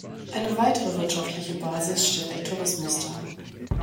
Eine weitere wirtschaftliche Basis stellt der Tourismus dar.